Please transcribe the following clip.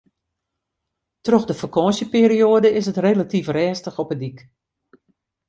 Troch de fakânsjeperioade is it relatyf rêstich op 'e dyk.